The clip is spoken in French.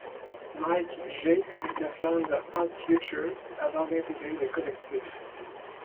Mike G était fan de Odd Future avant d'intégrer le collectif.